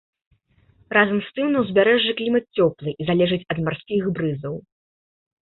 Разам з тым на ўзбярэжжы клімат цёплы і залежыць ад марскіх брызаў.